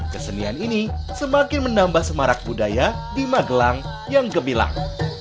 kesenian ini semakin menambah semarak budaya di magelang yang gemilang